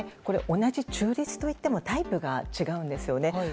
同じ中立といってもタイプが違うんですよね。